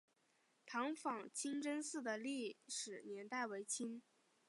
塘坊清真寺的历史年代为清。